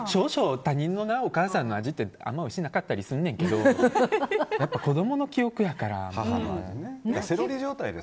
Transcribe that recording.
他人のお母さんの味ってあんまりおいしなかったりするねんけどやっぱ子供の記憶やから。